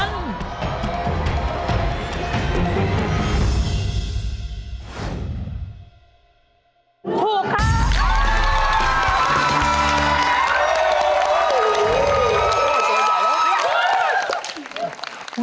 โอ้โฮสวยจ่ะแล้ว